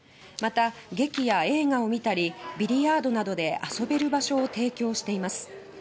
また、劇や映画を見たりビリヤードなどで遊べる場所を提供しています。